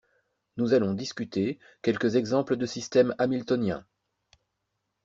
nous allons discuter quelques exemples de systèmes hamiltoniens